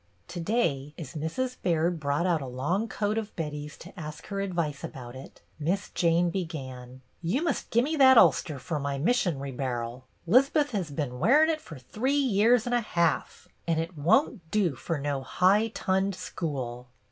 To day, as Mrs. Baird brought out a long coat of Betty's to ask her advice about it. Miss Jane began, —" You must gimme that ulster fer my mis sion'ry bar'l. 'Lizbeth has been wearin' it fer three years an' a ha'f, and it won't do fer no high tunned school.